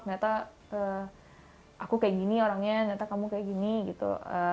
ternyata aku kayak gini orangnya ternyata kamu kayak gini gitu